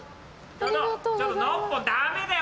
ちょっとノッポンダメだよ